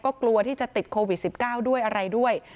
ก็กลัวที่จะติดโควิด๑๙ด้วยอะไรด้วย